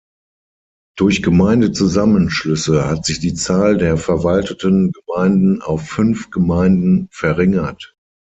Durch Gemeindezusammenschlüsse hat sich die Zahl der verwalteten Gemeinden auf fünf Gemeinden verringert.